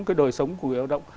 cái đời sống của người lao động